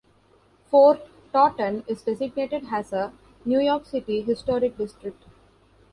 Fort Totten is designated as a New York City Historic District.